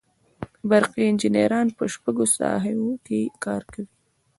برقي انجینران په شپږو ساحو کې کار کوي.